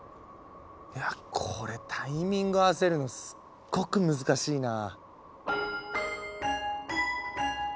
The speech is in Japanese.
いやこれタイミング合わせるのすっごく難しいなぁ。